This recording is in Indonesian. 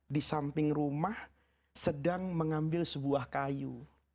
di samping rumah sedang mengambil sebuah kayu